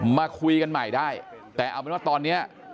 มาคุยกันใหม่ได้แต่เอาเป็นว่าตอนนี้